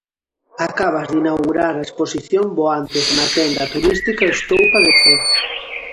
Acabas de inaugurar a exposición "Voantes" na tenda turística Estoupa de Cee.